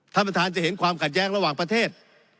ท่านประธานจะเห็นความขัดแย้งระหว่างประเทศ